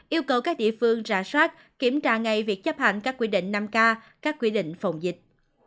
yêu cầu các địa phương rà soát kiểm tra ngay việc chấp hành các quy định năm k các quy định phòng dịch